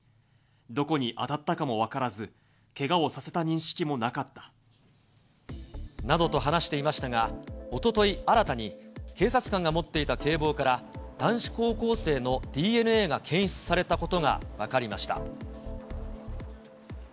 どこに当たったかも分からず、けがをさせた認識もなかった。などと話していましたが、おととい、新たに警察官が持っていた警棒から、男子高校生のＤＮＡが検出されたことが分かりました。